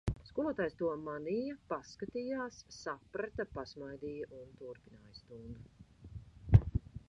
Skolotājs to manīja, paskatījās, saprata, pasmaidīja un turpināja stundu.